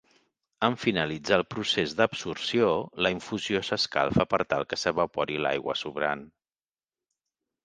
En finalitzar el procés d'adsorció, la infusió s'escalfa per tal que s'evapori l'aigua sobrant.